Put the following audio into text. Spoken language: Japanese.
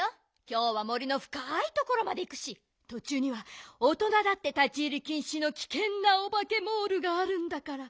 きょうは森のふかいところまでいくしとちゅうには大人だって立ち入りきんしのきけんなオバケモールがあるんだから。